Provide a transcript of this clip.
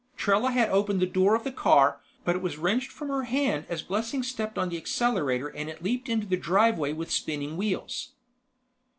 Trella had opened the door of the car, but it was wrenched from her hand as Blessing stepped on the accelerator and it leaped into the driveway with spinning wheels.